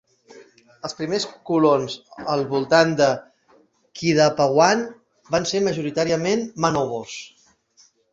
Els primers colons al voltant de Kidapawan van ser majoritàriament manobos.